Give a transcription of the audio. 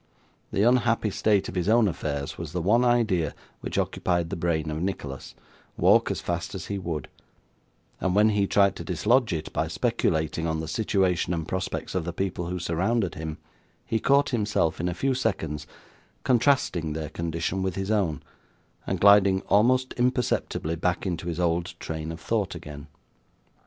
The unhappy state of his own affairs was the one idea which occupied the brain of Nicholas, walk as fast as he would; and when he tried to dislodge it by speculating on the situation and prospects of the people who surrounded him, he caught himself, in a few seconds, contrasting their condition with his own, and gliding almost imperceptibly back into his old train of thought again.